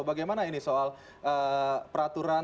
bagaimana ini soal peraturan